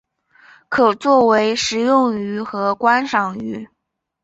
可作为食用鱼和观赏鱼。